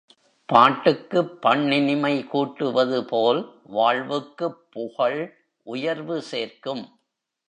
பாட்டுக்குப் பண் இனிமை கூட்டுவதுபோல் வாழ்வுக்குப் புகழ் உயர்வு சேர்க்கும்.